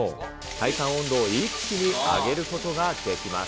体感温度を一気に上げることができます。